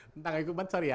tentang ekumen sorry ya